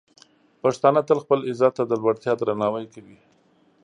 پښتانه تل خپل عزت ته د لوړتیا درناوی کوي.